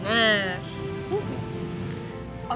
nanti gue jawab